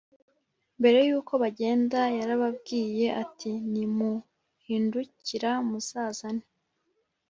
Mbere y uko bagenda yarababwiye ati nimuhindukira muzazane